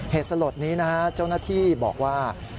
เหตุสลดนี้นะฮะเจ้าหน้าที่บอกว่า